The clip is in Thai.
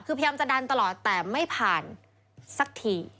คือพยายามจะดันตลอดแต่ไม่ผ่านสักที